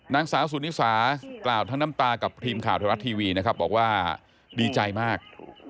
นางสาวสุนิสากล่าวทั้งน้ำตากับทีมข่าวไทยรัฐทีวีนะครับบอกว่าดีใจมาก